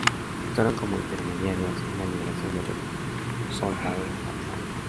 Actuaron como intermediarios en la liberación de ochos soldados raptados.